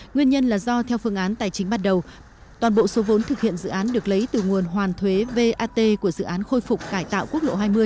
nguyên nhân là do theo phương án tài chính bắt đầu toàn bộ số vốn thực hiện dự án được lấy từ nguồn hoàn thuế vat của dự án khôi phục cải tạo quốc lộ hai mươi